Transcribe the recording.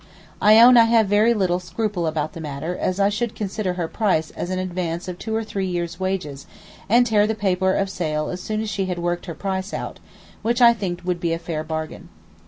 I own I have very little scruple about the matter, as I should consider her price as an advance of two or three years' wages and tear the paper of sale as soon as she had worked her price out, which I think would be a fair bargain.